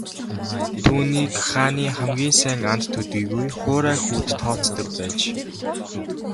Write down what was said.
Түүнийг хааны хамгийн сайн анд төдийгүй хуурай хүүд тооцдог байж.